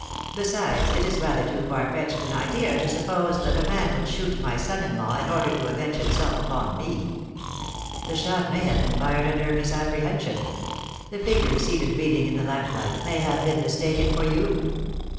Besides, it is rather too far fetched an idea to suppose that a man would shoot my son in law in order to avenge himself upon me." "The shot may have been fired under a misapprehen sion. The figure seated reading in the lamplight may have been mistaken for you."